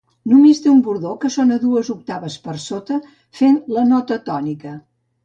Només té un bordó que sona dues octaves per sota, fent la nota tònica.